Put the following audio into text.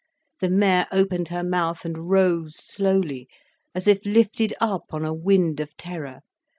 The mare opened her mouth and rose slowly, as if lifted up on a wind of terror.